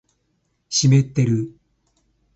湿ってる